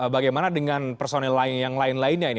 bagaimana dengan personil yang lain lainnya ini